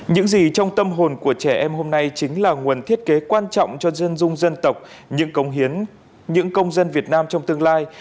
những gì trong tâm hồn của trẻ em hôm nay chính là nguồn thiết kế quan trọng cho dân dung dân tộc những cống hiến những công dân việt nam trong tương lai